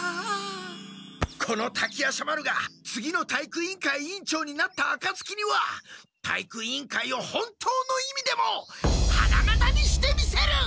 この滝夜叉丸が次の体育委員会委員長になったあかつきには体育委員会を本当の意味でも花形にしてみせる！